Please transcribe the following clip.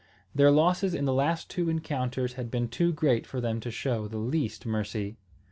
Their losses in the last two encounters had been too great for them to show the least mercy.